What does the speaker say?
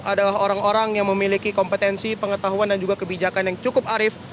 adalah orang orang yang memiliki kompetensi pengetahuan dan juga kebijakan yang cukup arif